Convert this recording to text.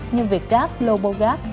như việc grab lobo grab